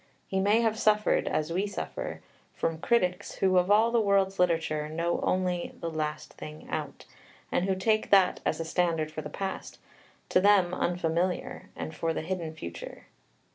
He may have suffered, as we suffer, from critics who, of all the world's literature, know only "the last thing out," and who take that as a standard for the past, to them unfamiliar, and for the hidden future.